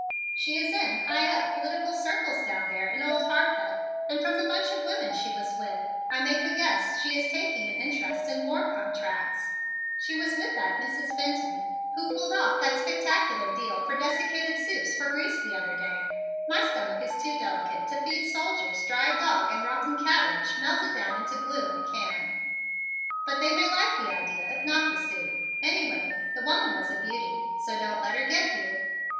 "She is in high up political circles down there in Old Harpeth and from the bunch of women she was with I make a guess she is taking an interest in war contracts. She was with that Mrs. Benton, who pulled off that spectacular deal for desiccated soups for Greece the other day. My stomach is too delicate to feed soldiers dried dog and rotten cabbage melted down into glue in a can, but they may like the idea if not the soup. Anyway, the woman was a beauty, so don't you let her get you."